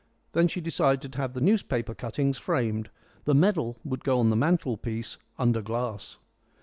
Then she decided to have the newspaper cuttings framed. The medal would go on the mantelpiece, under glass.